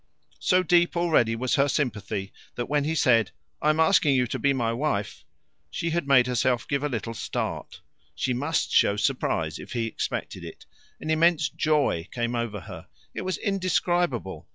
So deep already was her sympathy, that when he said, "I am asking you to be my wife," she made herself give a little start. She must show surprise if he expected it. An immense joy came over her. It was indescribable.